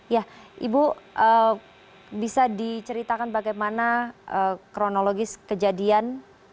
ya ibu bisa diceritakan bagaimana kronologis kejadian